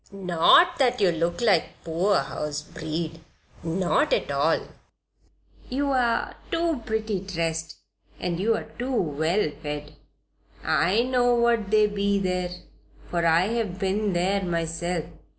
"Not that you look like poorhouse breed not at all. You're too pretty dressed and you're too well fed. I know what they be there, for I have been there myself.